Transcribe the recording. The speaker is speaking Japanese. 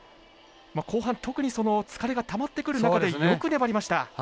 後半、特にその疲れがたまってくる中でよく粘りました。